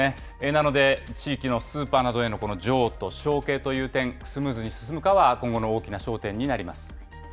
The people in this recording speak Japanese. なので、地域のスーパーなどへの譲渡、承継という点、スムーズに進むかは今後の大きな焦点になります。